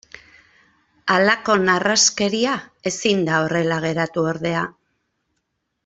Halako narraskeria ezin da horrela geratu ordea.